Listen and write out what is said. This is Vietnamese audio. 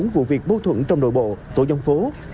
hai hai trăm bốn mươi bốn vụ việc bâu thuẫn trong nội bộ tổ dân phố